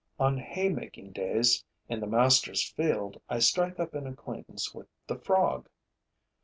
On hay making days in the master's field, I strike up an acquaintance with the frog.